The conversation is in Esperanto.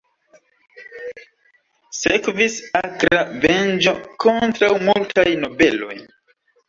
Sekvis akra venĝo kontraŭ multaj nobeloj.